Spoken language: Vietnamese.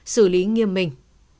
xử lý nghiêm mình